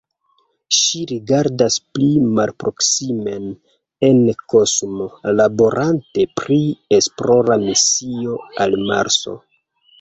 Ŝi rigardas pli malproksimen en kosmo, laborante pri esplora misio al Marso.